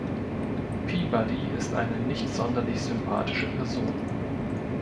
Peabody ist eine nicht sonderlich sympathische Person.